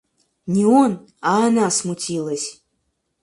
Не он, а она смутилась.